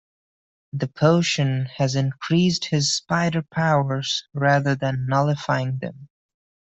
The potion has increased his spider powers rather than nullifying them.